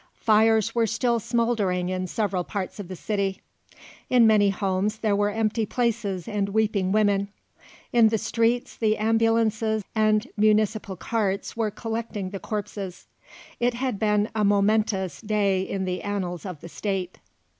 Fires were still smouldering in several parts of the city; in many homes there were empty places and weeping women; in the streets the ambulances and municipal carts were collecting the corpses. It had been a momentous day in the annals of the State.